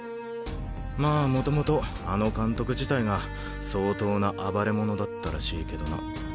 まあ元々あの監督自体が相当な暴れ者だったらしいけどな。